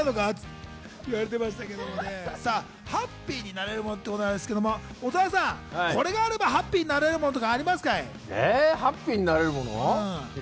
ハッピーになれるものということですが小澤さん、これがあればハッピーになれるものとかありますか？